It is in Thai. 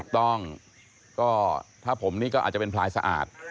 ถูกต้องก็ถ้าผมนี่ก็อาจจะเป็นพลายสะอาด